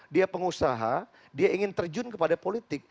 dia pengusaha dia ingin terjun kepada politik